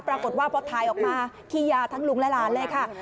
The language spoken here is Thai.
ปรากฏว่าพอถ่ายออกมาขี้ยาทั้งลุงและหลานเลยค่ะ